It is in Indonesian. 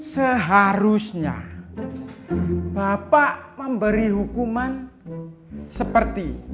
seharusnya bapak memberi hukuman seperti